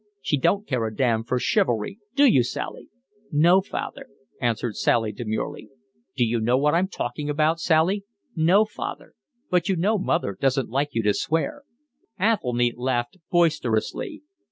She don't care a damn for chivalry, do you, Sally?" "No, father," answered Sally demurely. "Do you know what I'm talking about, Sally?" "No, father. But you know mother doesn't like you to swear." Athelny laughed boisterously.